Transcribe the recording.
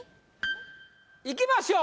・行きましょう。